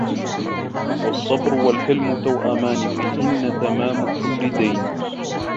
وَالصَّبْرُ وَالْحِلْمُ تَوْأَمَانِ فِيهِنَّ تَمَامُ كُلِّ دِينٍ